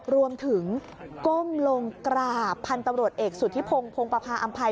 รวมถึงก้มลงกราบพันธุ์ตำรวจเอกสุธิพงศ์พงปภาอำภัย